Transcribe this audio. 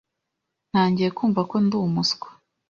Ntangiye kumva ko ndi umuswa.